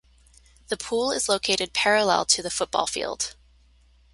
The pool is located parallel to the football field.